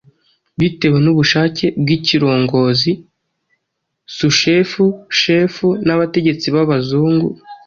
bitewe n'ubushake bw'ikirongozi, sushefu, shefu n'abategetsi b' Abazungu.